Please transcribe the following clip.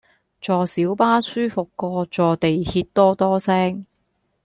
坐小巴舒服過坐地鐵多多聲